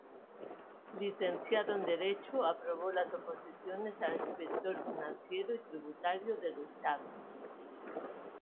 Licenciado en Derecho, aprobó las oposiciones a Inspector Financiero y Tributario del Estado.